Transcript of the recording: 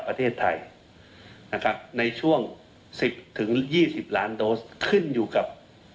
ประเทศไทยนะครับในช่วง๑๐๒๐ล้านโดสขึ้นอยู่กับ